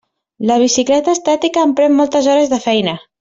La bicicleta estàtica em pren moltes hores de feina.